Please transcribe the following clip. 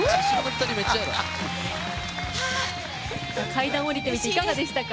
階段下りてみていかがでしたか？